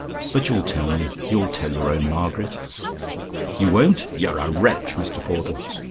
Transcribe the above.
But you'll tell me you'll tell your own Margaret? You won't! You're a wretch, Mr. Caudle.